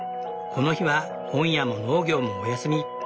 この日は本屋も農業もお休み。